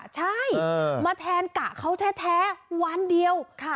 ใช่มาแทนกะเขาแท้วันเดียว